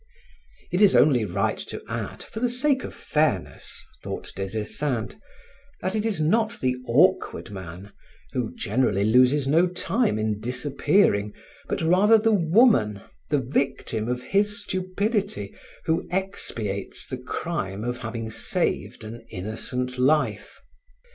It is only right to add, for the sake of fairness, thought Des Esseintes, that it is not the awkward man, who generally loses no time in disappearing, but rather the woman, the victim of his stupidity, who expiates the crime of having saved an innocent life.